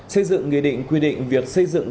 xây dựng nghề định quy định việc xây dựng